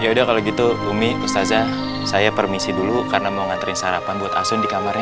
ya udah kalau gitu umi kustazah saya permisi dulu karena mau nganterin sarapan buat asun di kamarnya